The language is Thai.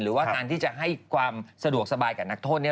หรือว่าการที่จะให้ความสะดวกสบายกับนักโทษ